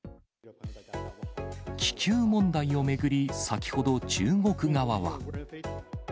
気球問題を巡り、先ほど、中国側は。